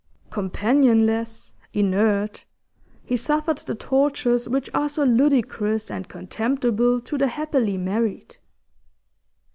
Companionless, inert, he suffered the tortures which are so ludicrous and contemptible to the happily married.